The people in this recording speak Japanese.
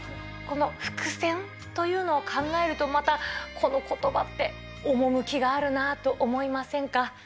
この伏線というのを考えると、またこのことばって趣きがあるなと思いませんか。